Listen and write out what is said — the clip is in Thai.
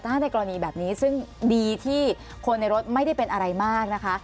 ถ้าในกรณีแบบนี้ซึ่งดีที่คนในรถไม่ได้เป็นอะไรมากนะคะ